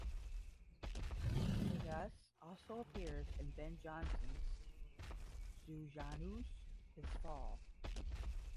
Cordus also appears in Ben Jonson's "Sejanus: His Fall".